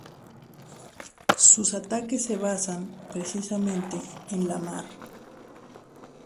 Sus ataques se basan, precisamente, en la mar.